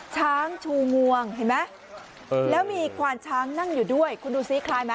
ช้างชูงวงเห็นไหมแล้วมีควานช้างนั่งอยู่ด้วยคุณดูซิคล้ายไหม